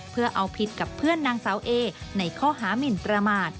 เพื่อเอาผิดกับเพื่อนนางสาวเอในข้อหามินประมาท